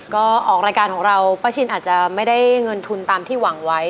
ก็ออกรายการของเราป้าชินอาจจะไม่ได้เงินทุนตามที่หวังไว้